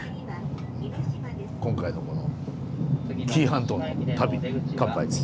今回のこの紀伊半島の旅に乾杯です。